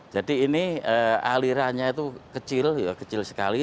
jadi ini alirannya itu kecil kecil sekali